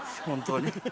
本当に。